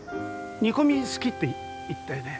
煮込み好きって言ったよね？